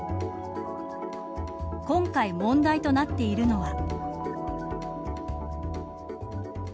今回、問題となっているのは。